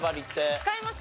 使います。